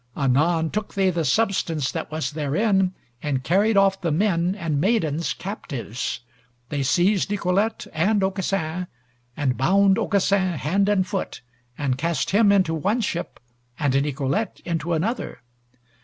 Anon took they the substance that was therein and carried off the men and maidens captives. They seized Nicolete and Aucassin, and bound Aucassin hand and foot, and cast him into one ship, and Nicolete into another.